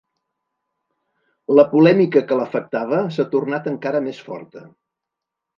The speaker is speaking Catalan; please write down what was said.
La polèmica que l'afectava s'ha tornat encara més forta.